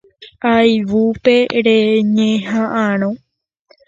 Ayvúpe reñeha'ãrõ